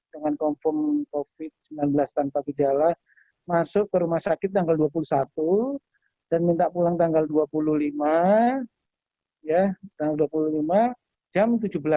dengan confirm covid sembilan belas tanpa gejala masuk ke rumah sakit tanggal dua puluh satu dan minta pulang tanggal dua puluh lima tanggal dua puluh lima jam tujuh belas